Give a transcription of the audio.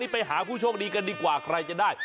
ไปหาผู้โชคดีกันดีกว่าใครจะได้